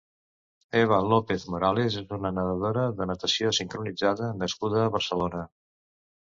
Eva López Morales és una nedadora de natació sincronitzada nascuda a Barcelona.